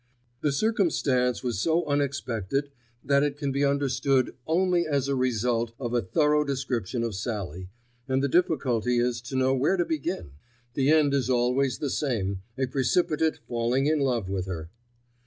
The circumstance was so unexpected that it can be understood only as a result of a thorough description of Sallie, and the difficulty is to know where to begin—the end is always the same, a precipitate falling in love with her.